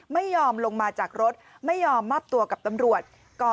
ไม่ยอมลงมาจากรถไม่ยอมมอบตัวกับตำรวจ